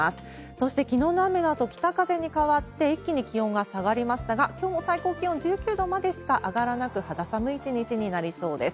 そしてきのうの雨のあと北風に変わって、一気に気温が下がりましたが、きょうの最高気温、１９度までしか上がらなく、肌寒い一日になりそうです。